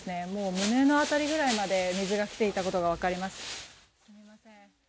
胸の辺りぐらいまで水が来ていたことが分かります。